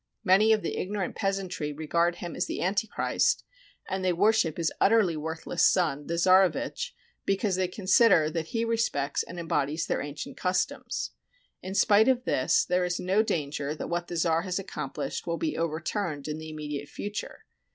Many of the ignorant peasantry regard him as the Antichrist, and they worship his utterly worthless son, the czarevitch, because they consider that he respects and embodies their ancient customs. In spite of this there is no danger that what the czar has accomplished will be overturned in the immediate future.